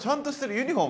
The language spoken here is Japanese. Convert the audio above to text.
ユニフォーム